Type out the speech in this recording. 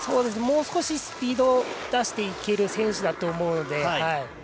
もう少しスピードを出していける選手だと思うので。